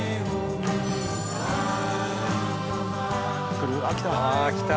来るよああ来た。